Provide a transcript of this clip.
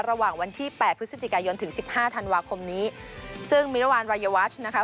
ระหว่างวันที่แปดพฤศจิกายนถึงสิบห้าธันวาคมนี้ซึ่งมิรวรรณวัยวัชนะคะ